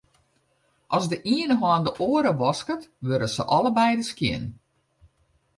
As de iene hân de oar wasket, wurde se allebeide skjin.